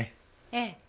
ええ。